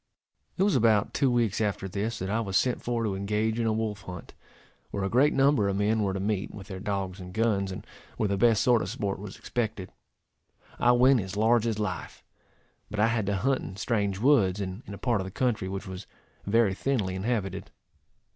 It was about two weeks after this that I was sent for to engage in a wolf hunt, where a great number of men were to meet, with their dogs and guns, and where the best sort of sport was expected. I went as large as life, but I had to hunt in strange woods, and in a part of the country which was very thinly inhabited.